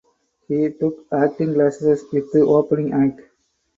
He took acting classes with Opening Act.